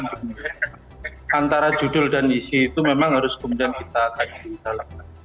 masalahnya kan antara judul dan isi itu memang harus kemudian kita kajikan